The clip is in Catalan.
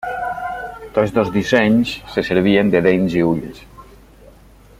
Tots dos dissenys se servien de dents i ulls.